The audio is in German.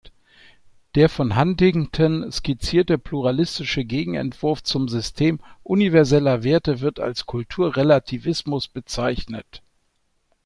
Der von Huntington skizzierte pluralistische Gegenentwurf zum System universeller Werte wird als Kulturrelativismus bezeichnet.